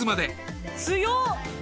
強っ！